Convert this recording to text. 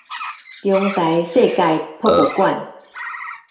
中台世界博物館